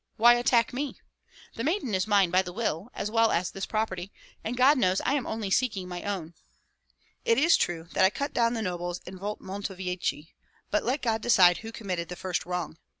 Why attack me? The maiden is mine by the will, as well as this property; and God knows I am only seeking my own. It is true that I cut down the nobles in Volmontovichi, but let God decide who committed the first wrong.